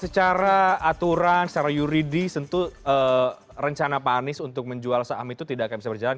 secara aturan secara yuridis tentu rencana pak anies untuk menjual saham itu tidak akan bisa berjalan